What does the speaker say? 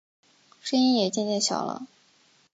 声音也渐渐小了